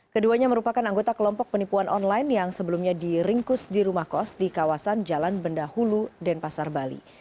keduanya merupakan anggota kelompok penipuan online yang sebelumnya diringkus di rumah kos di kawasan jalan bendahulu denpasar bali